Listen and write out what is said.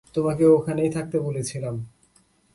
তোমাকে ওখানেই থাকতে বলেছিলাম।